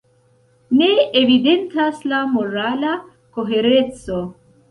Ne evidentas la morala kohereco.